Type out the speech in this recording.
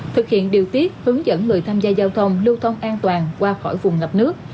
thực hiện điều tiết hướng dẫn người tham gia giao thông lưu thông an toàn qua khỏi vùng ngập nước